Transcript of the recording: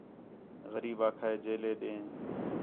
غریب آکھا ہِے جیلے ݙیں